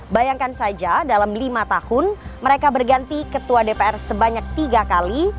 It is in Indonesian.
bayangkan saja dalam lima tahun mereka berganti ketua dpr sebanyak tiga kali